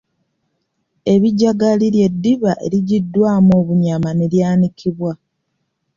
Ebijagali lye ddiba erijjiddwamu obunyama ne lyanikibwa.